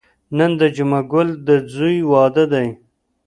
نن د جمعه ګل د ځوی واده دی.